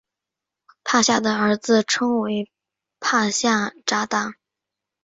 帕夏的儿子称为帕夏札达。